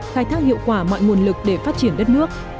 khai thác hiệu quả mọi nguồn lực để phát triển đất nước